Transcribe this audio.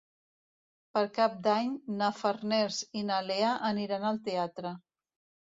Per Cap d'Any na Farners i na Lea aniran al teatre.